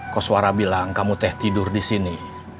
koswara bilang kamu teh tidur di sini